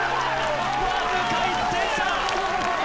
わずか１点差！